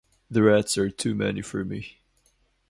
The rats are too many for me.